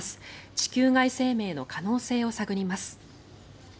地球外生命の可能性を探ります。